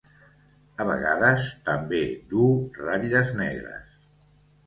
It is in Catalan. A vegades també duu ratlles negres.